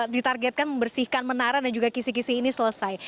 ditargetkan membersihkan menara dan juga kisi kisi ini selesai